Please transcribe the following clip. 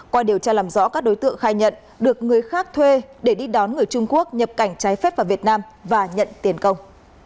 qua điều tra làm rõ các đối tượng khai nhận được người khác thuê để đi đón người trung quốc nhập cảnh trái phép vào việt nam và nhận tiền công